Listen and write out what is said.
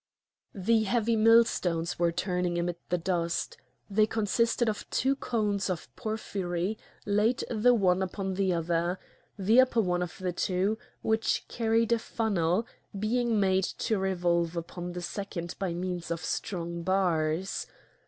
The heavy mill stones were turning amid the dust. They consisted of two cones of porphyry laid the one upon the other—the upper one of the two, which carried a funnel, being made to revolve upon the second by means of strong bars.